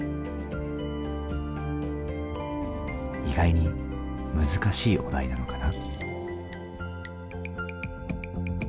意外に難しいお題なのかな。